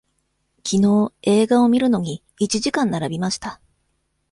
きのう映画を見るのに、一時間並びました。